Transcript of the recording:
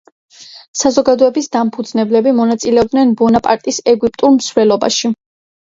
საზოგადოების დამფუძნებლები მონაწილეობდნენ ბონაპარტის ეგვიპტურ მსვლელობაში.